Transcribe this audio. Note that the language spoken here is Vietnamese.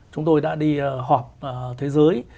chúng tôi đã đi họp thế giới